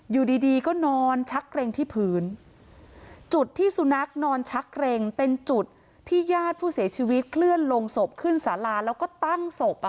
อยู่ดีก็นอนชักเกร็งที่พื้น